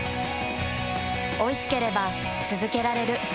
おいしければつづけられる。